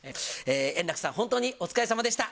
円楽さん、本当にお疲れさまでした。